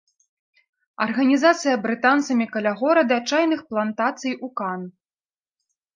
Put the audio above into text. Арганізацыя брытанцамі каля горада чайных плантацый у кан.